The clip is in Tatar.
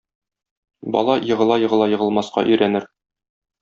Бала егыла-егыла егылмаска өйрәнер.